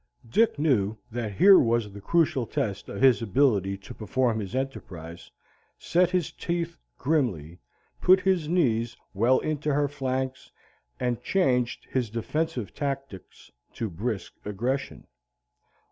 Dick knew that here was the crucial test of his ability to perform his enterprise, set his teeth grimly, put his knees well into her flanks, and changed his defensive tactics to brisk aggression.